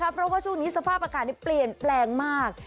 เพราะว่าช่วงนี้สภาพอากาศเปลี่ยนแปลงมาก